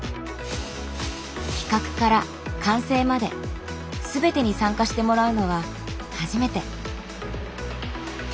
企画から完成まで全てに参加してもらうのは初めて。